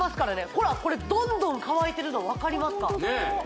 ほらこれどんどん乾いてるのわかりますか？